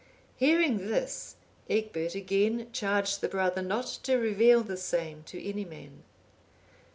Hearing this, Egbert again charged the brother not to reveal the same to any man.